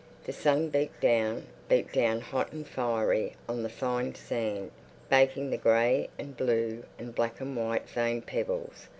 The sun beat down, beat down hot and fiery on the fine sand, baking the grey and blue and black and white veined pebbles.